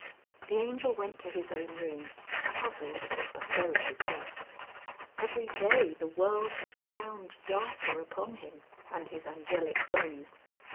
The Angel went to his own room puzzled but very depressed. Every day the world had frowned darker upon him and his angelic ways.